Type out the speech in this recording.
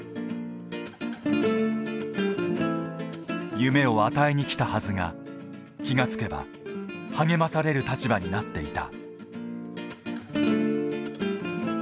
夢を与えに来たはずが気が付けば励まされる立場になっていた。